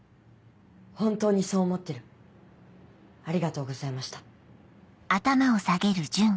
本当にそう思ってるありがとうございました。